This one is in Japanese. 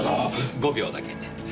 ５秒だけ。